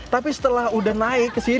tapi setelah udah naik ke sini